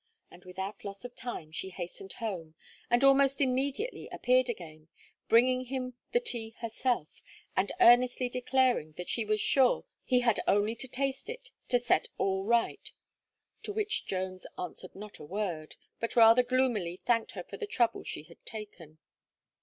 And without loss of time she hastened home, and almost immediately appeared again, bringing him the tea herself, and earnestly declaring that she was sure he had only to taste it, to set all right, to which Jones answered not a word, but rather gloomily thanked her for the trouble she had taken.